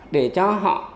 để cho họ